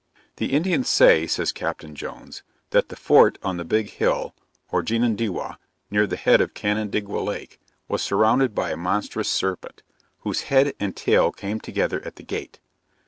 The Indians say, says Capt. Jones, that the fort on the big hill, or Genundewah, near the head of Canandaigua lake, was surrounded by a monstrous serpent, whose head and tail came together at the gate.